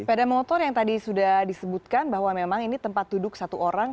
sepeda motor yang tadi sudah disebutkan bahwa memang ini tempat duduk satu orang